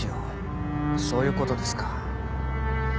そういう事ですか。